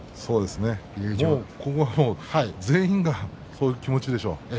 全員がそういう気持ちでしょう。